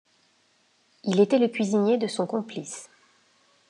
Il était le cuisinier de son complice.